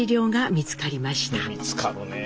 見つかるねぇ。